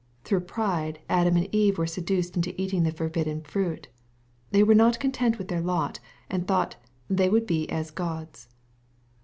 Through pride Adam and Eve were seduced into eating the forbidden fruit. They were not content with their lot, and thought " they would be as Gods."